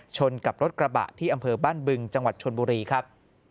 ชนกับรถกระบะที่อำเภอบ้านบึงจังหวัดชนบุรีครับ